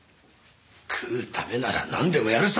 食うためならなんでもやるさ！